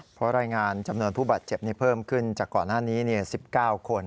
เพราะรายงานจำนวนผู้บาดเจ็บเพิ่มขึ้นจากก่อนหน้านี้๑๙คน